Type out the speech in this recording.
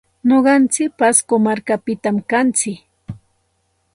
Nuqantsik pasco markapitam kantsik.